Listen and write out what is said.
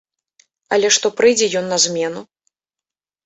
Але што прыйдзе ёй на змену?